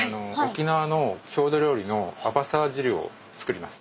沖縄の郷土料理のアバサー汁を作ります。